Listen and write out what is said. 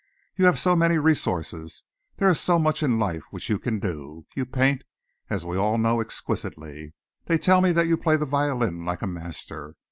"You have so many resources, there is so much in life which you can do. You paint, as we all know, exquisitely. They tell me that you play the violin like a master.